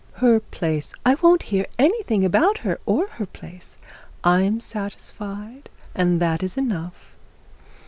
'Her place ' 'I won't hear anything about her or her place. I am satisfied and that is enough.